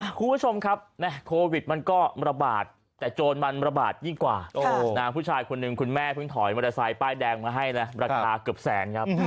คุณผู้ชมครับโควิดมันก็ระบาดแต่โจรมันระบาดยิ่งกว่าผู้ชายคนหนึ่งคุณแม่เพิ่งถอยมอเตอร์ไซค์ป้ายแดงมาให้นะราคาเกือบแสนครับ